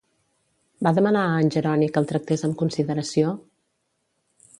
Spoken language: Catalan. Va demanar a en Jeroni que el tractés amb consideració?